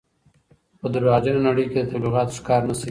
په درواغجنې نړۍ کې د تبلیغاتو ښکار نه شئ.